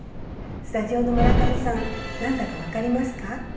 スタジオの村上さん、何だか分かりますか？